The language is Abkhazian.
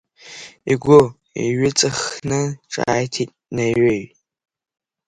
Игәы иҩыҵаххны ҿааиҭит Наҩеи.